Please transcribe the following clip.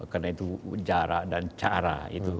karena itu jarak dan cara itu